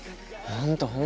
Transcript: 本当。